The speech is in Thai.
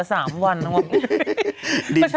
ครับคุณดีค่ะ